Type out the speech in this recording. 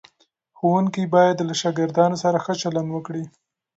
ښوونکي باید له شاګردانو سره ښه چلند وکړي.